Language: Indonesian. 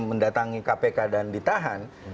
mendatangi kpk dan ditahan